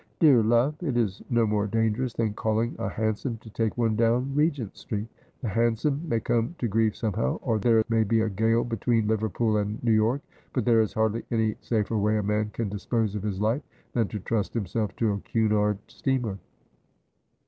' Dear love, it is no more dangerous than calling a hansom to take one down Regent Street. The hansom may come to grief somehow, or there may be a gale between Liverpool and New York ; but there is hardly any safer way a man can dispose of his life than to trust himself to a Cunard steamer.'